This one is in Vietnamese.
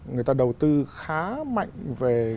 người ta đầu tư khá mạnh về